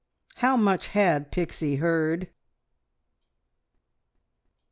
How much had Pixie heard?